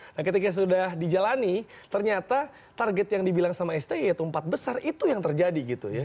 nah ketika sudah dijalani ternyata target yang dibilang sama sti yaitu empat besar itu yang terjadi gitu ya